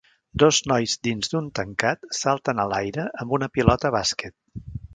Dos nois dins d'un tancat salten a l'aire amb una pilota bàsquet.